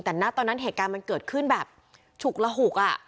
แต่ณตอนนั้นเหตุการณ์มันเกิดขึ้นแบบฉุกระหุก